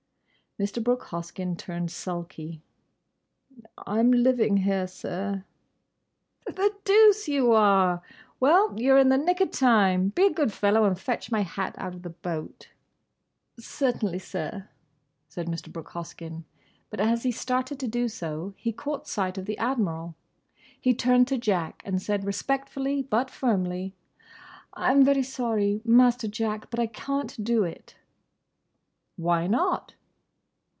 Mr. Brooke Hoskyn turned sulky. "I'm living here, sir." "The doose you are!—Well, you're in the nick of time. Be a good fellow and fetch my hat out of the boat." "Certainly, sir," said Mr. Brooke Hoskyn. But as he started to do so, he caught sight of the Admiral. He turned to Jack and said respectfully but firmly, "I'm very sorry, Master Jack; but I can't do it." "Why not?"